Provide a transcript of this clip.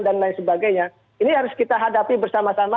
dan lain sebagainya ini harus kita hadapi bersama sama